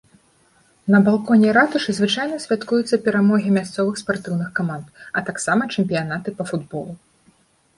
На балконе ратушы звычайна святкуюцца перамогі мясцовых спартыўных каманд, а таксама чэмпіянаты па футболу.